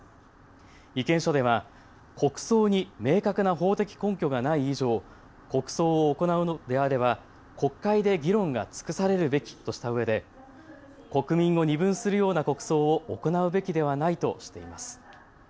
意見書では国葬に明確な法的根拠がない以上、国葬を行うのであれば国会で議論が尽くされるべきとしたうえで国民を二分するような国葬を行うべきではないとしています。